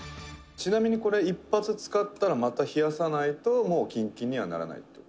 「ちなみに、これ一発使ったらまた冷やさないと、もうキンキンにはならないって事？」